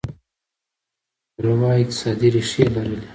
د رام بلوا اقتصادي ریښې لرلې.